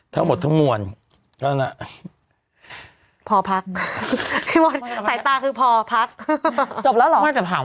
ทั้งหมดทั้งมวลก็นั่นแหละ